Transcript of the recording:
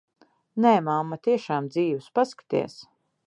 Nē, mamma, tiešām dzīvs. Paskaties.